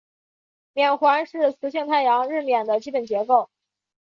冕环是磁性太阳日冕的基本结构。